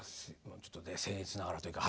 ちょっとね僭越ながらというか。